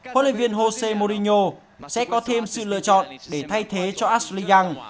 huấn luyện viên jose mourinho sẽ có thêm sự lựa chọn để thay thế cho ashley young